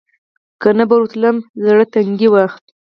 که نه به ورتلم زړه تنګۍ و.